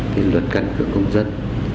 thì luật căn cước công dân